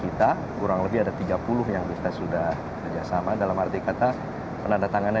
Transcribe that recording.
kita kurang lebih ada tiga puluh yang bisa sudah kerjasama dalam arti kata penandatangannya